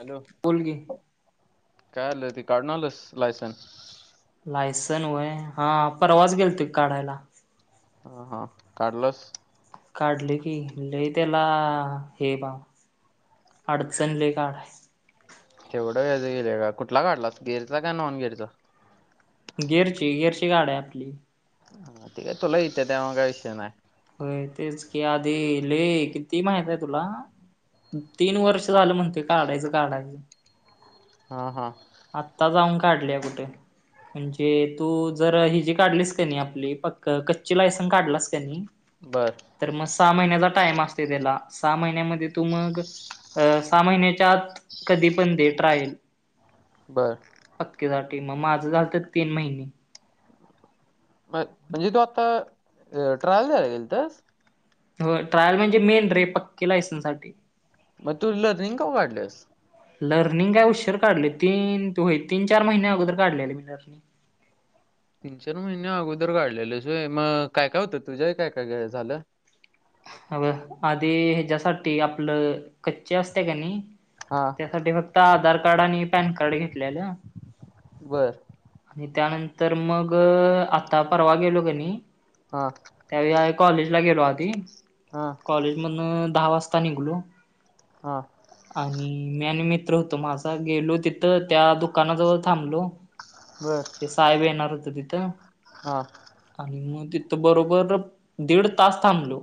Hello बोल की काय आलं ते काढून आलस लायसन लायसन वय हा परवाच गेलतो काढायला. हा हा काढलास? काढले की लई त्याला हे बा अडचणले काळ आहे. तेवढं वेज गेले का कुठला काढडलास गेरचा का नॉन गेरचा? गेअरची गेअरची गाडी आहे आपली. ते काय तुला इथे त्यामुळं काय विषय नाय. होय तेच की आधी ले किती माहित आहे तुला. तीन वर्ष झालं म्हणतोय काढायचं काढायचं. हा हा. आत्ता जाऊन काढल्या कुठे. म्हणजे तू जर हिजी काढलीस का नाही आपली पक् कच्ची लायसन काढलास का नाही बरं तर म सहा महिन्याचा टाइम असते त्याला सहा महिन्यामध्ये तू मग अ सहा महिन्याच्यात कधी पण दे ट्रायल बरं पक्केसाठी मग माझं झालंतं तीन महिने. मत म्हणजे तू आता अ ट्राल द्यायला गेलतास. हो ट्रायल म्हणजे मेन रे पक्के लायसनसाठी. मग तू लर्निंग का वाढलेस? लर्निंग काय उशर काढले तीन ते होय तीन चार महिने अगोदर काढलेले मी लर्निंग. तीन चार महिने अगोदर काढलेले शे म काय काय होतं तुझ्या काय काय झालं? अव आदी ह्याच्यासाठी आपलं कच्चे असते क नी हा. त्यासाठी फक्त आधार कार्ड आणि पॅन कार्ड घेतलेलं. बरं आणि त्यानंतर मग आता परवा गेलो क नी हा. त्यावेळी कॉलेज ला गेलो आधी हा. कॉलेज मधनं दहा वाजता निघलो हां. आणि मी आणि मित्र होतो माझा गेलो तिथं त्या दुकानाजवळ थांबलो बर ते साहेब येणार होतं तिथं. हा आणि मग तिथं बरोबर दीड तास थांबलो.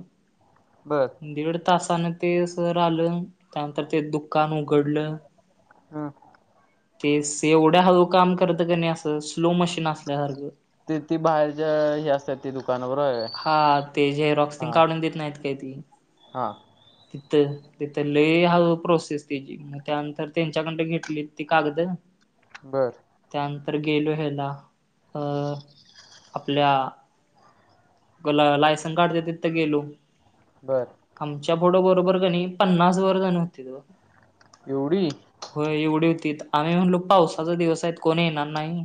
बरं दीड तासाने ते सर आलं त्यानंतर ते दुकान उघडलं हां. तेस एवढ्या हळू काम करत क नाही असं स्लो मशीन असल्यासारखं. ते ती बाहेरच्या हे असतत्यात ते दुकानावर आहे. हा ते झेक्सिंग काढून देत नाहीत काय ती. हां. तिथं तिथं लई हळू प्रोसेस तेजी. मग त्यानंतर त्यांच्याकडनं घेतली ती कागदं. बरं त्यानंतर गेलो ह्याला आपल्या पुन्हा लायसन काढण्यात तिथं गेलो. बर आमच्या पुढ‌ं बरोबर कणी पन्नास बरजण होतीत बघ. एवढी हो एवढी होतीत. आम्ही म्हणलो पावसाच दिवस आहेत कोणी येणार नाही.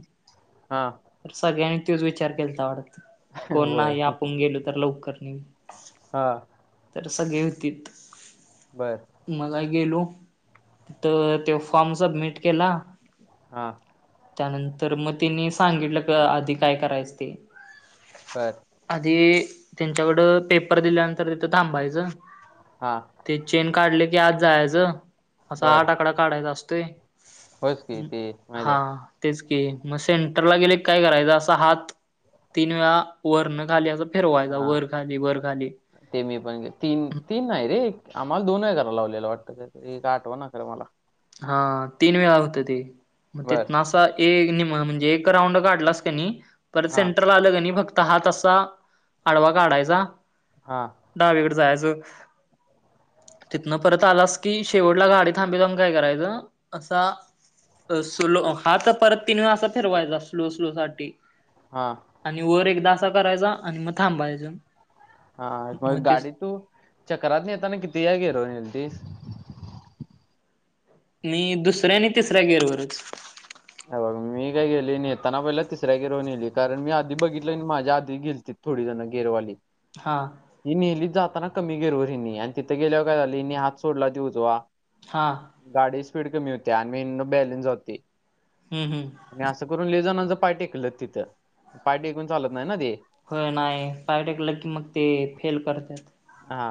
हा. सगळ्यांनी तोच विचार केलता वाटत. कोण होय नाही आपण गेलो तर लवकर, नाही हा तर सगळी होतीत. बरं. मग गेलो तीत तो फॉर्म सबमिट केला. हा. त्यानंतर मग तिनी सांगितलं, आधी काय करायच ते. बर. आधी तेच्याकड पेपर दिल्यानंतर तिथं थांबायचं. हा. ते चेन काढले की आज जायचं, असा बर आठ आकडा काढायचा असतोय. होच की हम् ते माहिती हा. आहे तेच की, मग सेंटरला गेले काय करायच. असा हात तीन वेळा वर न खाली असं. फिरवाय चा हा वरखाली वरखाली. ते मी पण तीन तीन नाही रे, आम्हाला दोन वेळा कराय लावलेलं वाटतं एक आठवना खर मला. हा तीन वेळा होत ते, मग बर तीतन असं. एक निम्म म्हणजे, राऊड काढलास कणी परत हा सेंटरला आलास कणी फक्त. त हात असा, आडवा काढायचा. हां. डावीकड जायाचं तिथनं परत आलास की, शेवटला गाडी [unintelligible] काय करायचं असा. स्लो हा हात‌ परत तीन वेळा असा फिरवायचा, स्लो स्लो साठी. हा. आणि वर एकदा असा करायचा, आणि मग थांबायचं. हां मग गाडी तू, चक्रातन येताना कितीचा घेरव न्हेलतीस. मी दुसऱ्या आणि तिसऱ्या गेरवरच. अ बघ मी काय गेली येताना पहिला तिसऱ्या घेरवर नेली. कारण मी आधी बघितल आणि माझ्या आधी गेलतीत. थोडी जणं गेरवाली. हा. मी न्हेली जाताना कमी गेरवर हेणी, आणि तिथं गेल्यावर काय झालं. हेणी हात सोडला तो उजवा. हां. गाडी स्पीड कमी होती, आणि मग बॅलेन्स जातोय. हम् हम्. आणि असं करून लै जानाचं पाय टेकलं तिथं, पाय टेकून चालत नाही ना ते. हो नाही पाय टेकलं की, मग ते फेल करत्यात. हा.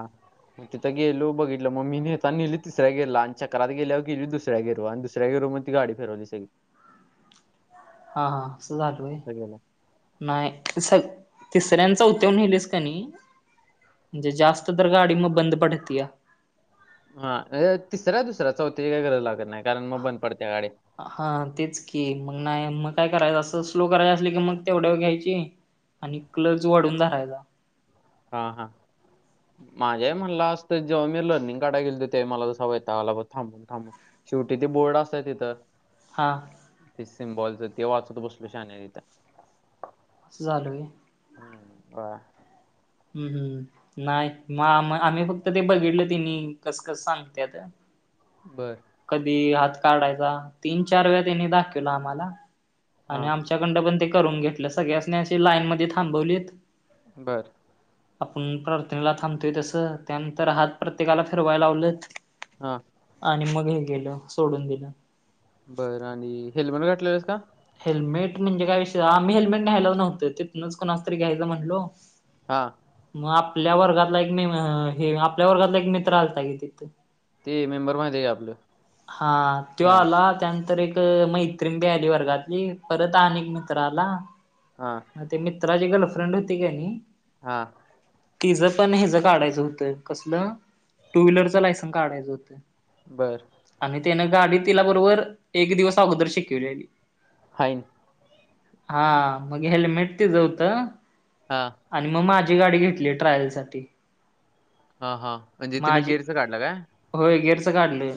तिथ गेलो बघितलो. मग मी नेता ना नेली तिसऱ्या गेरला आणि, चक्रात गेल्यावर गेली दुसऱ्या गेर आणि दुसऱ्या गेरवर. ती गाडी फेरवली सी. हां हां, अस झाल व्हयं. असं केलं नाही स तिसऱ्यां आणि चौथ्यावर न्हेलस कणी. म्हणजे जास्त तर गाडी मग बंद पडत्या. हा तिसरा दुसरा चौथ्याची काही गरज लागत नाही. कारण मग बंद पडत्या गाडी. हा तेच की, मग नाही मग काय करायचं. असं स्लो करायचं असल की, मग तेवढ्या वर घ्यायची. आणि क्लज वाढून धरायचा. हा हा. माझ्या हि म्हणलं असतं जेव्हा मी लर्निंग काढाय गेलतो, त्यावेळी मला असा वैताग आला बघ थांबून थांबून. शेवटी ते बोर्ड असतंय तिथं. हां. ते सिमबॉलच ते वाचत बसलो शान्या तिथं. असं झालं व्हयं. हम्म होय. हम्म हम्म. नाही मग आम-आम्ही फक्त ते बघितलं त्यांनी कस कस सांगत्यात. बरं. कधी हात काढायचा तीन चार वेळा त्यांनी दाखवला आम्हाला आणि हा आमचं त्यांचाकडंन पण ते करून घेतलं. सगळ्यासनी असं लाईनमध्ये थांबवलीत. बर. आपण प्रार्थनेला थांबतोय तसं, त्यानंतर हात प्रत्येकाला फिरवायला लावलंत. हा. आणि मग हे केलं सोडून दिलं. बरं आणि हेल्मेट घातलेलस का? हेल्मेट म्हणजे काय विषय आम्ही हेल्मेट न्यायलाच नव्हतं. तिथनंच कोणाच तरी घ्यायचं म्हणलो. हा. मग आपल्या वर्गातला एक मे हे आपल्या वर्गातला एक मित्र आलता की तिथं. ते मेंबर माहिती आहे का आपलं हा त्यो हा आला त्यानंतर एक तर मैत्रिण बी आली वर्गातली परत आणि एक मित्र आला. हा. मग ते मित्राची गर्लफ्रेंड होती की नई हा. तिज पण हेज काढायचं होतं कसलं? टू व्हीलरच लायसन काढायचं होतं. बर. आणि त्यानं गाडी तिला बरोबर एक दिवस अगोदर शिकीवलेली. फाईन. हा मग हेल्मेट तीज होतं. हा. आणि मग माझी गाडी घेतली ट्रायलसाठी. हा हा म्हणजे तिनं गेअरच काढलं काय? होय गेअरच काढलोय.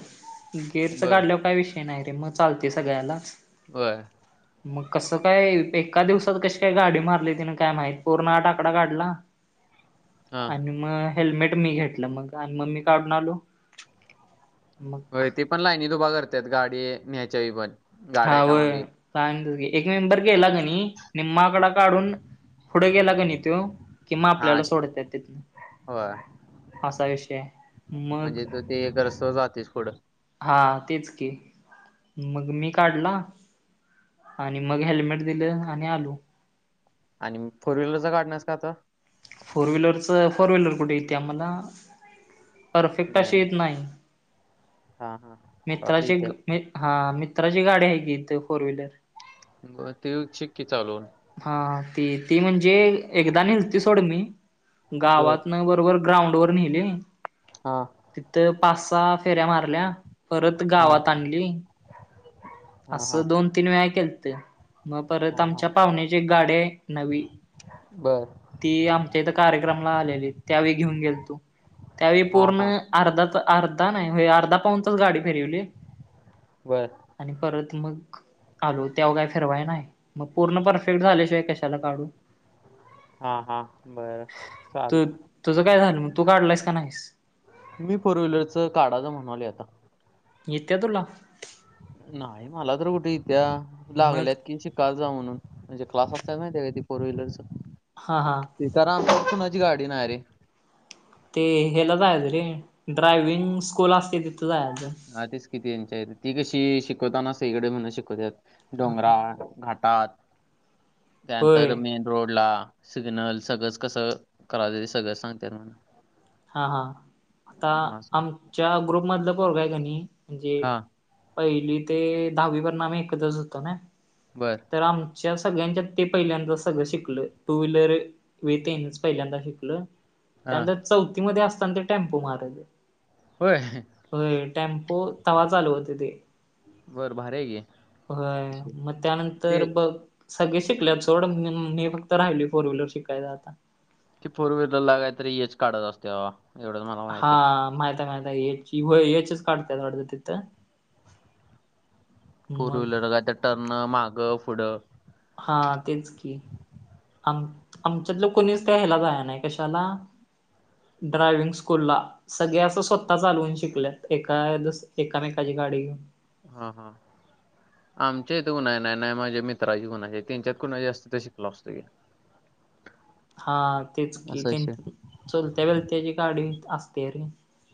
गेअरच बर काढल्यावर काय विषय नाही रे मग चालतंय सगळ्याला. होय. मग कसं काय ते एका दिवसात कशी काय गाडी मारली तिने काय माहित. पूर्ण आठ आकडा काढला हा आणि मग हेल्मेट मी घेतलं मग आणि मग मी काढून आलो. मग होय ते पण लाईनीत उभा करत्यात गाडी न्यायच्या वेळी पण. हा गाड्या एका होय. मागे एक [unintelligible] की एक मेंबर गेला कनई निम्मा आकडा काढून पुढे गेला कनई त्यो की मग हा आपल्याला सोडत्यात तिथंन होय असा विषय आहे. मग म्हणजे तू ते जरासं जातयच पुढं. हा तेच की, मग मी काढला. आणि मग हेल्मेट दिलं आणि आलो. आणि फोर व्हीलरचं काढणार हाईस का आता? फोर व्हीलरचं फोर व्हीलर कुठे येत्या मला. परफेक्ट अशी येत नाही. हा हा. मला वाटलं मित्राची इथे एक हा मित्राची गाडी आहे की इथं फोर व्हीलर. मग ते चेक्की चालवून हा ती ती म्हणजे एकदा नेलती सोड मी. बर गावातनं बरोबर ग्राउंडवर न्हेली. हा. तिथं पाच सहा फेऱ्या मारल्या. परत हा गावात आणली, हा हा असं दोन तीन वेळा केलंत. मग परत हा हा आमच्या पाहुण्यांची एक गाडी आहे नवी. बर ती आमच्या इथं कार्यक्रमला आलेली त्यावेळी घेऊन गेलतो. त्यावेळी हा पूर्ण हा अर्धाच अर्धा नाही होय अर्धा पाऊण तास गाडी फिरवली. बरं. आणि परत मग [unintelligible] त्यावर काय फिरवाय नाही. मग पूर्ण परफेक्ट झाल्याशिवाय कशाला काढू. हा हा बरं तू चालतय. तुझं काय झालं मग तू काढलायस काय नाहीस? मी फोर व्हीलरच काढावं म्हणलोय आता. येत्या तुला? नाही मला तर कुठं येत्या मग लागल्यात की शिक का जा म्हणून म्हणजे क्लास असतात माहिती आहे काय ते फोर व्हीलरच. हा हा. इथं [unintelligible] कुणाची गाडी नाही रे. ते हेला जायच रे ड्रायविंग स्कूल असते तिथं जायचं. ह तेच किती त्यांच्या हेत ती कशी शिकवताना सईकडे म्हणून शिकवतात. हां डोंगराळ, घाटात होय त्यानंतर मेन रोडला, सिग्नल सगळंच कसं करावं ते सगळं सांगत्यात म्हण. हा हा. आता मग असं. आमच्या ग्रुपमधलं पोरग आहे की नाही म्हणजे हां, पहिली ते दहावीपर्यंत आम्ही एकत्रच होतो नाही. बरं. तर आमच्या सगळ्यांच्यात ते पहिल्यादा सगळं शिकलोय टू व्हीलर मी तेनेच पहिल्यांदा शिकलोय. हां. त्यानंतर चौथीमध्ये असताना ते टेम्पो मारालं. होय? होय टेम्पो तवा चालू होते ते. बरं भारी आहे होय, की. मग त्यानंतर ते बघ सगळी शिकल्यात सोड [unintelligible] मी फक्त राहिली फोर व्हीलर शिकायचा आता. ती फोर व्हीलरला काहीतरी एच काढायचं असतंय बाबा. एवढंच मला हा माहिती आहे माहितेय माहितेय याची हो याचीच काढत्यात वाटतं तिथं. ़ फोर मग व्हीलर ला काय त्या टर्न मागं पुढं हा तेच की. आम-आमच्यातलं कोणीच त्या ह्याला जायाय नाही कशाला ड्रायव्हिंग स्कूलला. सगळे असं स्वतः चालवून शिकल्यात एका एकामेकाची गाडी घेऊन. हा हा. आमच्या इथं पण आहे. नाही नाही माझ्या मित्राची पण आहे, तेनच्यात कुणाची असती तर शिकलो असतो की. [inaudible] हा तेच की असं तेन विषय चुलत्या बिलत्याची गाडी असत्या रे.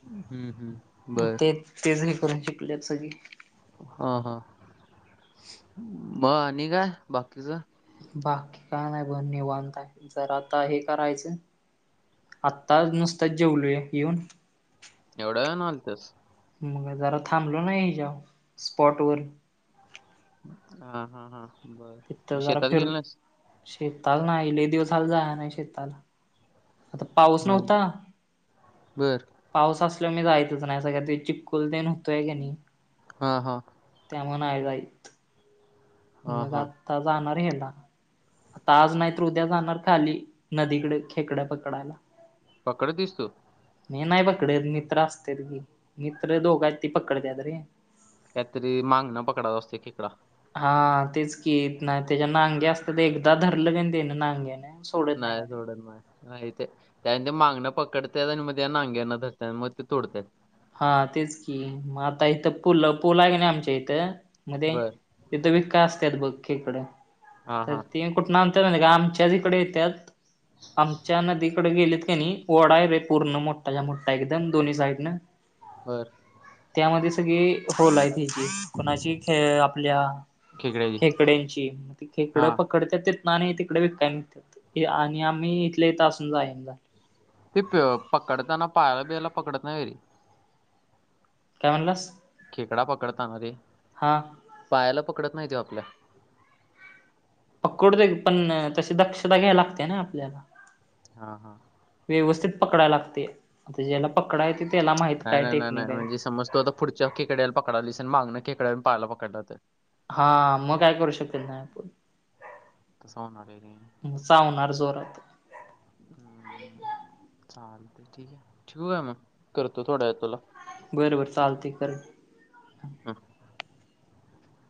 हम्म हम्म. बर ते तेच करून शिकलेल्यात सगळी. हा हा. मग आणि काय बाकीचं? बाकी काय नाही बघ निवांत आहे. जरा आता हे करायचं आत्ताच नुसताच जेवलोय येऊन. एवढ्या वेळानं आणत्यास? मग जरा थांबलो नाही हेज्यावर स्पॉटवर. हा हा हा. बर मग तिथं जरा शेतात फिर गेलं नाहीस? शेताला नाही लई दिवस झालं जाया नाही शेताला. पाऊस हा नव्हता, बर पाऊस असल्याने मी जायचं नाही असं काहीतरी चिपकून कुलदन होतोय क नाही, हा हा त्या म्ह आ जायत हा हा मजात- आता जाणार हेड, आता आज नाही तर उद्या जाणार खाली नदीकडे खेकड्याप आकडयला पकडत दिसतो. मी नाही पकडेत, मित्र असतेल मित्र दोघांचे पकडतात काहीतरी मागं न, पकडां असते केकडा. हा तेच की, त ना त्याच्या नागे असत ते एकदा धरलं क ते ना नांग्या ना नाही, सोडच नाही. ह ते त्यान ते मागना पकडतात आणि मग नांग्यांना रत मग ते तोडतात. हा तेच की, मग आता इथ पूल पूल आहे ना आमच्या इथ, मध्ये बर इथ वीका असत बघ, केकडा हा तर हा ते कुठ आमच्या इकडे येतात, आमच्या नदी- डे गेलीत का नाही, ओडा आहे रे पूर्ण मोठा ज्या मोठा एकदम दोन्ही साईड न बर! त्यामध्ये सगळी, होल आहे ती कुणाची खेळ आपल्या, खेकड्याची खेकड्यांची खेकड हा तिकडे विकय, आणि आम्ही इथले इथं असून जाईन ते प पकडताना, पायाला बिला पकडत नाही काय म्हणलास? खेकडा पकडता रे, मध्ये हां पायाला पकडत नाही ते आपल्या. पकडते पण, तशी दक्षता घ्याय लागते ना आपल्याला. हा हा व्यवस्थित पकडायला लागते, आता ज्याला पकडा येत त्याला माहित नाही काय नाही नाही नाही टेकनिक आहे. म्हणजे समज तू आता पुढच्या खेकड्याला पकडालीस आणि माग, ना खकड्याला पाहायला पकडतात. हा मग, काय करू शकल नाही आपण. तसं होणार आहे रे चावणार जोरात चाल ठीक आहे, ठेिकू आहे मग करतो थोडा आहे तुला. बरं बर, चालते कर. [inaudible]